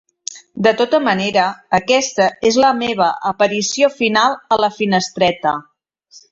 De tota manera, aquesta és la meva aparició final a la finestreta.